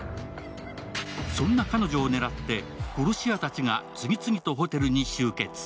そんな彼女を狙って、殺し屋たちが次々とホテルに集結。